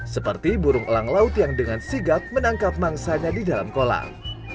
seperti burung elang laut yang dengan sigap menangkap mangsanya di dalam kolam